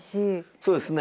そうですね。